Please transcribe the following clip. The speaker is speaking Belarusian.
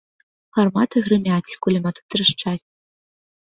Гарматы грымяць, кулямёты трашчаць.